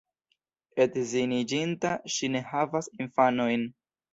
Edziniĝinta, ŝi ne havas infanojn.